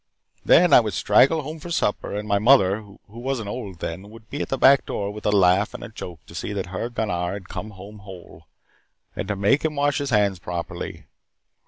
Then I would straggle home for supper and my mother, who wasn't old then, would be at the back door with a laugh and a joke to see that her Gunnar had come home whole, and to make him wash his hands properly.